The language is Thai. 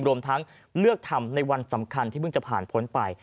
รวมทั้งเลือกทำในวันสำคัญที่เพิ่งจะผ่านพ้นไป